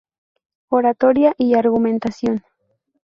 Oratoria y Argumentación.